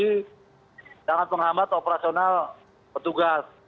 jadi jangan penghambat operasional petugas